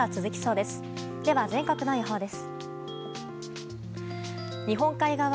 では、全国の予報です。